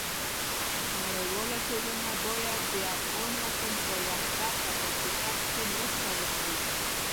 نړیواله ټولنه باید د افغان وطن په وحدت او حاکمیت کې مرسته وکړي.